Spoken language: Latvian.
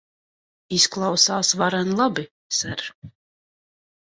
Izklausās varen labi, ser.